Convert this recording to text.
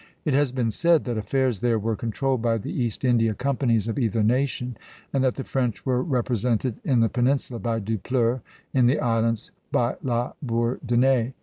It has been said that affairs there were controlled by the East India companies of either nation; and that the French were represented in the peninsula by Dupleix, in the islands by La Bourdonnais.